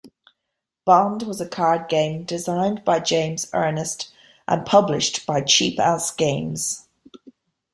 Bond was a card game designed by James Ernest and published by Cheapass Games.